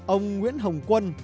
ông nguyễn hồng quân